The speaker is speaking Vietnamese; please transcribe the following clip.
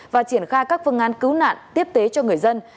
và triển khai các phương án cứu nạn tiếp tế cho người dân